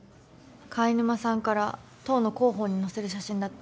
貝沼さんから党の広報に載せる写真だって。